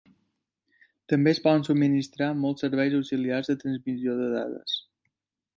També es poden subministrar molts serveis auxiliars de transmissió de dades.